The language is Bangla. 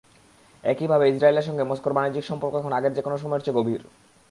একইভাবে ইসরায়েলের সঙ্গে মস্কোর বাণিজ্যিক সম্পর্ক এখন আগের যেকোনো সময়ের চেয়ে গভীর।